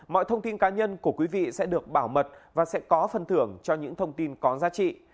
mọi thông tin cá nhân của quý vị sẽ được bảo mật và sẽ có phần thưởng cho những thông tin có giá trị